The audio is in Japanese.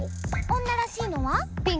女らしいのは？